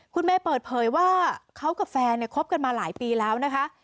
คุณเมย์เปิดเผยว่าเขากับแฟนเนี่ยคบกันมาหลายปีแล้วนะคะ